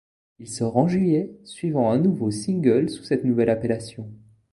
Il sort en juillet suivant un nouveau single sous cette nouvelle appellation.